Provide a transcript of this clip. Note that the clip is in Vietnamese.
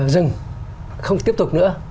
dừng không tiếp tục nữa